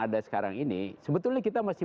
ada sekarang ini sebetulnya kita masih